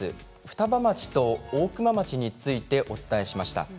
双葉町と大熊町についてお伝えしました。